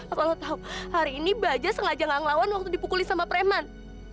apa lo tau hari ini bajak sengaja gak ngelawan waktu dipukulin sama preman